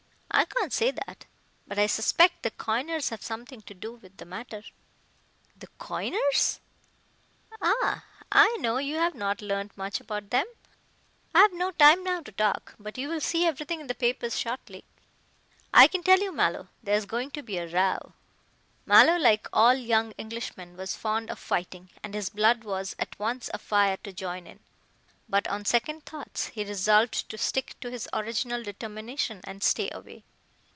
"I can't say that. But I suspect the coiners have something to do with the matter." "The coiners?" "Ah! I know you have not learned much about them. I have no time now to talk, but you will see everything in the papers shortly. I can tell you, Mallow, there's going to be a row." Mallow, like all young Englishmen, was fond of fighting, and his blood was at once afire to join in, but, on second thoughts, he resolved to stick to his original determination and stay away.